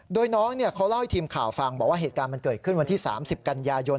โดยน้องเขาเล่าให้ทีมข่าวฟังบอกว่าเหตุการณ์มันเกิดขึ้นวันที่๓๐กันยายน